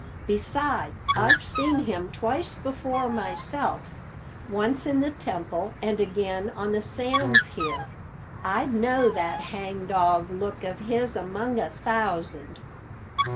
Besides, I've seen him twice before myself; once in the temple, and again on the sands here. I'd know that hang dog look of his among a thousand.